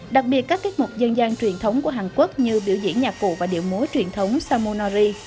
đặc biệt các tiết mục dân gian truyền thống của hàn quốc như biểu diễn nhạc cụ và điệu múa truyền thống samonori